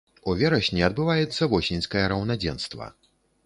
У верасні адбываецца восеньскае раўнадзенства.